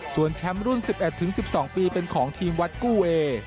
ส่วนแชมป์รุ่น๑๑๑๒ปีเป็นของทีมวัดกู้เอ